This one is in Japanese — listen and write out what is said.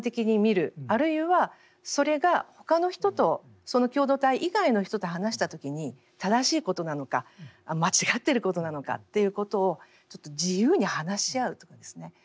あるいはそれが他の人とその共同体以外の人と話した時に正しいことなのか間違っていることなのかということをちょっと自由に話し合うとかですね